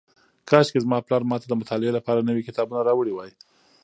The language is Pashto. کاشکې زما پلار ماته د مطالعې لپاره نوي کتابونه راوړي وای.